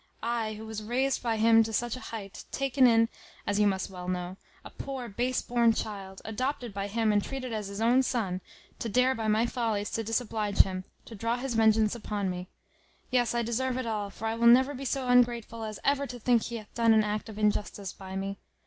I, who was raised by him to such a height; taken in, as you must well know, a poor base born child, adopted by him, and treated as his own son, to dare by my follies to disoblige him, to draw his vengeance upon me. Yes, I deserve it all; for I will never be so ungrateful as ever to think he hath done an act of injustice by me.